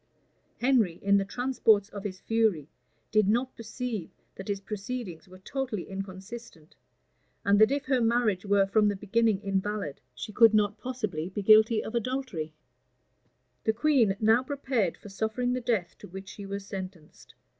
Henry, in the transports of his fury, did not perceive that his proceedings were totally inconsistent, and that if her marriage were from the beginning invalid, she could not possibly be guilty of adultery. * Herbert, p. 384*[missing period] Heylin, p. 94. The queen now prepared for suffering the death to which she was sentenced.